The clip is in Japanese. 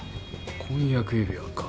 婚約指輪か。